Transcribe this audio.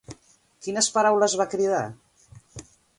Quines paraules va cridar?